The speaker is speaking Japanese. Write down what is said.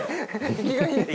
生きがいいです